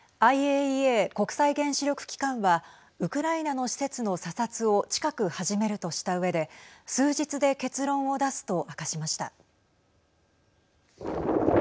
ＩＡＥＡ＝国際原子力機関はウクライナの施設の査察を近く始めるとしたうえで数日で結論を出すと明かしました。